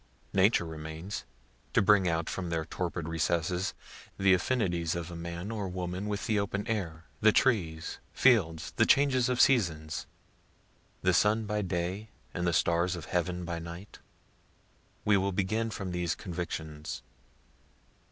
Nature remains; to bring out from their torpid recesses, the affinities of a man or woman with the open air, the trees, fields, the changes of seasons the sun by day and the stars of heaven by night. We will begin from these convictions.